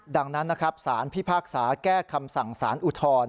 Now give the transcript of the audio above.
ดังนั้นนะครับสารพิพากษาแก้คำสั่งสารอุทธรณ์